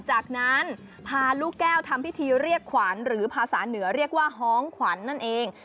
จากนั้นพาลูกแก้วทำพิธีเรียกขวัญหรือภาษาเหนือเรียกว่าฮ้องขวัญนั่นเอง